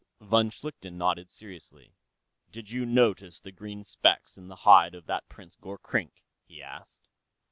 Von Schlichten nodded seriously. "Did you notice the green specks in the hide of that Prince Gorkrink?" he asked.